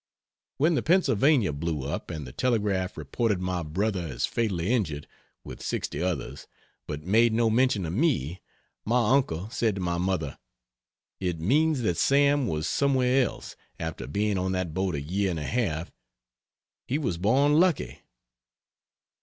When the "Pennsylvania" blew up and the telegraph reported my brother as fatally injured (with 60 others) but made no mention of me, my uncle said to my mother "It means that Sam was somewhere else, after being on that boat a year and a half he was born lucky."